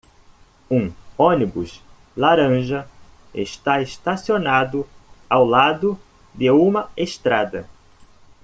Um ônibus laranja está estacionado ao lado de uma estrada.